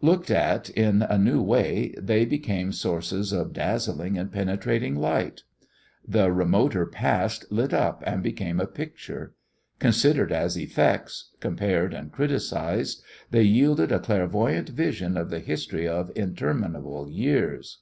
Looked at in a new way they became sources of dazzling and penetrating light. The remoter past lit up and became a picture. Considered as effects, compared and criticised, they yielded a clairvoyant vision of the history of interminable years.